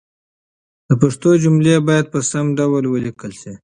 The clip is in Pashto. د پښتو جملې باید په سم ډول ولیکل شي.